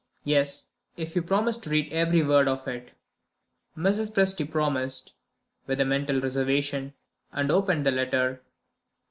"Yes if you promise to read every word of it." Mrs. Presty promised (with a mental reservation), and opened the letter.